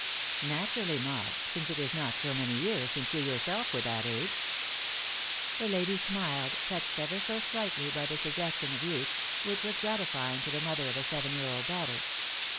" Naturally, Maud, since it is not so many years since you yourself were that age." The lady smiled, touched ever so slightly by the suggestion of youth, which was gratifying to the mother of a seven year old daughter.